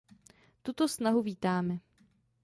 Tuto snahu vítáme.